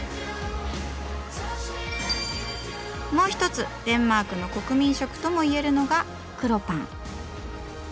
もう一つデンマークの国民食とも言えるのが黒パン。